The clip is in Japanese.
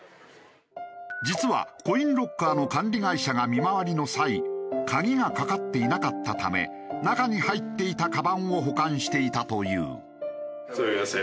実はコインロッカーの管理会社が見回りの際鍵がかかっていなかったため中に入っていたカバンを保管していたという。